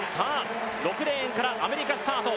６レーンからアメリカスタート。